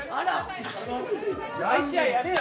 毎試合やれよ！